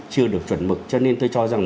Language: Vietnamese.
chưa được chuẩn mực cho nên tôi cho rằng